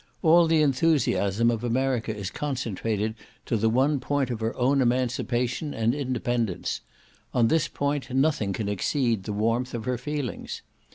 All the enthusiasm of America is concentrated to the one point of her own emancipation and independence; on this point nothing can exceed the warmth of her feelings.